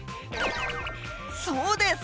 そうです！